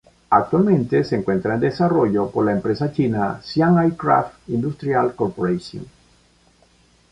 Actualmente se encuentra en desarrollo por la empresa china Xi'an Aircraft Industrial Corporation.